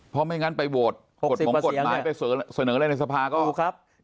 เพราะไม่งั้นไปโหวตหกสิบเปอร์เซียงไปเสนออะไรในสภาพูดครับ